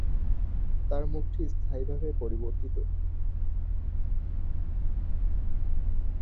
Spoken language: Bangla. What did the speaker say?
তার মুখটি স্থায়ীভাবে পরিবর্তিত।